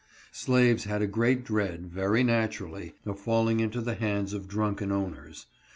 Slaves had a great dread, very naturally, of falling into the hands of drunken owners.